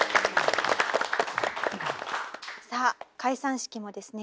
さあ解散式もですね